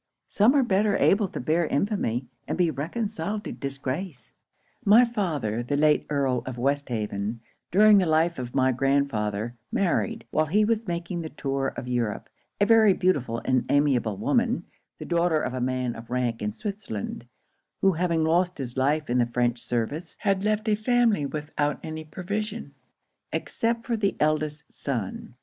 Some are better able to bear infamy, and be reconciled to disgrace. 'My father, the late Earl of Westhaven, during the life of my grandfather, married, while he was making the tour of Europe, a very beautiful and amiable woman, the daughter of a man of rank in Switzerland; who having lost his life in the French service, had left a family without any provision, except for the eldest son.